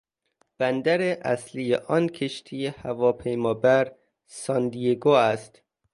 بندر اصلی آن کشتی هواپیمابر ساندیگو است.